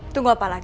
tunggu apa lagi